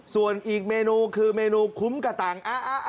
ส่วนอีกเมนูคือเมนูคุ้มกระตัง